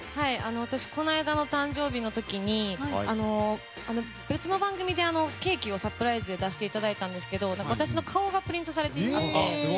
私、この間の誕生日の時に別の番組でケーキをサプライズで出していただいたんですけど私の顔がプリントされてて。